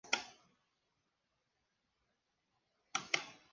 Sin embargo, esta dinámica de la clase trabajadora cambia.